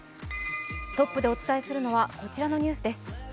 トップでお伝えするのはこちらのニュースです。